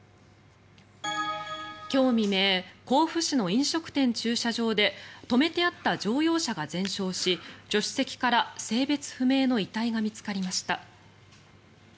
今日未明甲府市の飲食店駐車場で止めてあった乗用車が全焼し助手席から性別不明の遺体が見つかりました。